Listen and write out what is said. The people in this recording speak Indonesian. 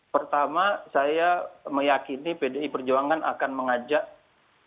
pertama saya meyakini pdi perjuangan ini akan berjalan